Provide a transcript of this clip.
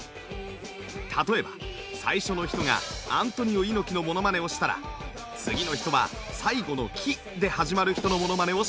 例えば最初の人がアントニオ猪木のものまねをしたら次の人は最後の「き」で始まる人のものまねをしなければならない